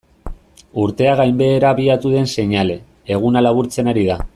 Urtea gainbehera abiatu den seinale, eguna laburtzen ari da.